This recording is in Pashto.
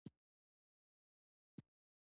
اداري حقوق د دولت دندې مشخصوي.